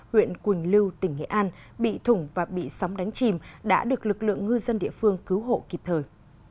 huyện quỳnh lưu tỉnh nghệ an bị thủng và bị sóng đánh chìm đã được lực lượng ngư dân địa phương cứu hộ kịp thời